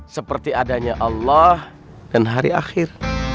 seperti adanya allah dan hari akhir